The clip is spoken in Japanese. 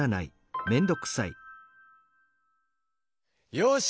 よし！